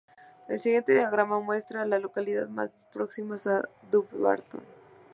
El siguiente diagrama muestra a las localidades más próximas a Dumbarton.